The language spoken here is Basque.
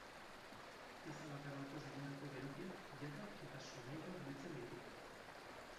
Pieza bakar batez egindako berokiak, jakak eta soinekoak biltzen ditu.